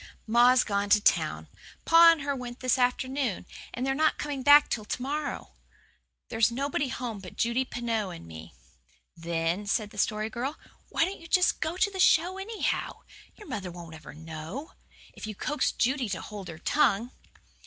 "Ma's gone to town pa and her went this afternoon and they're not coming back till to morrow. There's nobody home but Judy Pineau and me." "Then," said the Story Girl, "why don't you just go to the show anyhow? Your mother won't ever know, if you coax Judy to hold her tongue."